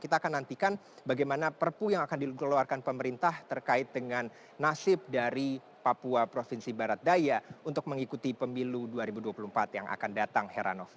kita akan nantikan bagaimana perpu yang akan dikeluarkan pemerintah terkait dengan nasib dari papua provinsi barat daya untuk mengikuti pemilu dua ribu dua puluh empat yang akan datang heranov